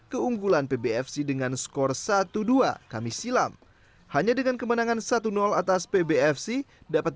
keunggulan pbfc dengan skor satu dua kami silam hanya dengan kemenangan satu atas pbfc dapat